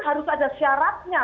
harus ada syaratnya